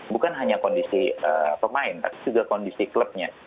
bukan hanya kondisi pemain tapi juga kondisi klubnya